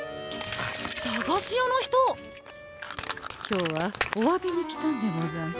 今日はおわびに来たんでござんす。